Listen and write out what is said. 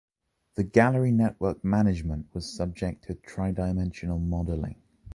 the gallery network management was subject to tri-dimensional modelling.